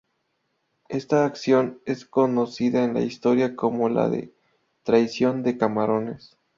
Esta acción es conocida en la historia como la "Traición de Camarones".